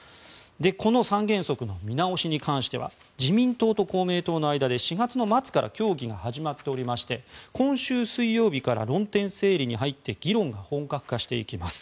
この三原則の見直しに関しては自民党と公明党の間で４月の末から協議が始まっておりまして今週水曜日から論点整理に入って議論が本格化していきます。